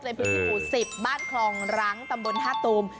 ในพื้นภูต๑๐บ้านคลองรังตำบล๕ตูม